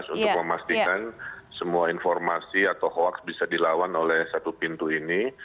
untuk memastikan semua informasi atau hoax bisa dilawan oleh satu pintu ini